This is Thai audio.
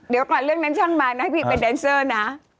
เดี๋ยวก่อนเรื่องแดนเซอร์มาให้พี่เป็นแดนเซอร์นะ